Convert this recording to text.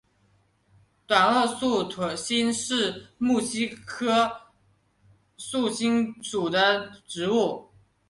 短萼素馨是木犀科素馨属的植物。